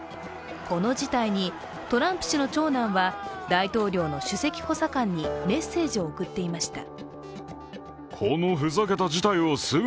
この事態にトランプ氏の長男は大統領の首席補佐官にメッセージを送っていました。